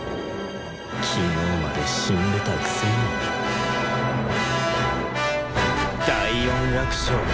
昨日まで死んでたくせに第４楽章